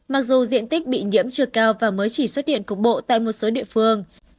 mặc dù diện tích bị nhiễm chưa cao và mới chỉ xuất hiện cục bộ tại một số địa phương